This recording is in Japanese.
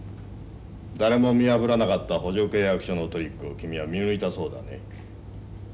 誰も見破らなかった補助契約書のトリックを君は見抜いたそうだね。